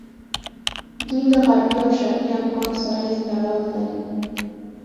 دوی له غربي او شرقي افکارو سره هېڅ تړاو نه لري.